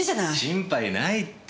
心配ないって。